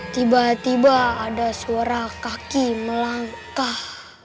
tiba tiba ada suara kaki melangkah